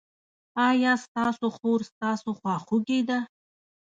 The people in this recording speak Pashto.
ایا ستاسو خور ستاسو خواخوږې ده؟